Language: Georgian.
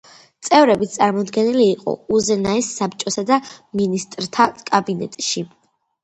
წევრებით წარმოდგენილი იყო უზენაეს საბჭოსა და მინისტრთა კაბინეტში.